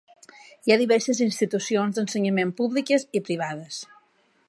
Hi ha diverses institucions d'ensenyament públiques i privades.